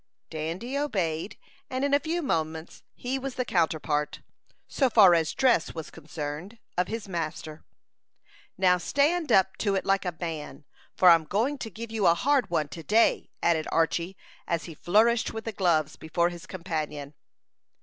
Dandy obeyed, and in a few moments he was the counterpart, so far as dress was concerned, of his master. "Now stand up to it like a man, for I'm going to give you a hard one to day," added Archy, as he flourished with the gloves before his companion.